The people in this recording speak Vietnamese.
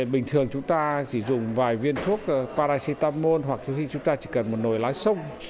bình thường chúng ta chỉ dùng vài viên thuốc paracetamol hoặc khi chúng ta chỉ cần một nồi lái sông